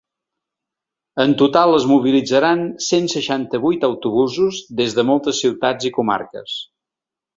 En total, es mobilitzaran cent seixanta-vuit autobusos des de moltes ciutats i comarques.